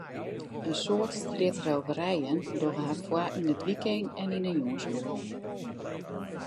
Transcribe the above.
In soad strjitrôverijen dogge har foar yn it wykein en yn de jûnsoeren.